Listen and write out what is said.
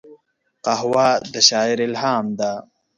قهوه د شاعر الهام ده